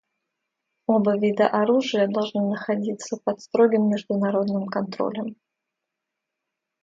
Оба вида оружия должны находиться под строгим международным контролем.